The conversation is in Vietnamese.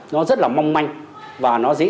nó rất là mong manh và nó dễ